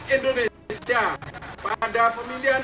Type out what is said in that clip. masa itu saya mengatakan ya